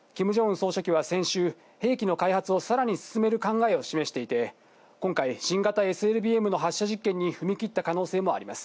総書記は先週、兵器の開発をさらに進める考えを示していて、今回、新型ＳＬＢＭの発射実験に踏み切った可能性もあります。